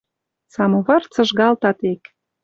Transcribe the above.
Самовар цыжгалта тек.